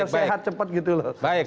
sehat cepat gitu loh